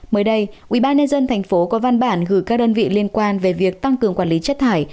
mới đây ubnd tp có văn bản gửi các đơn vị liên quan về việc tăng cường quản lý chất thải